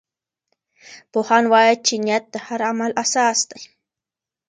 پوهان وایي چې نیت د هر عمل اساس دی.